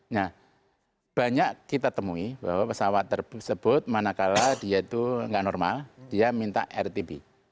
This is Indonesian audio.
nah banyak kita temui bahwa pesawat tersebut manakala dia itu nggak normal dia minta rtb